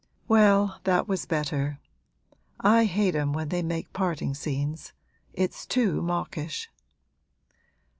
'Well, that was better. I hate 'em when they make parting scenes: it's too mawkish!'